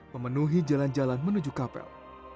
memenuhi jalan jalan menuju kapel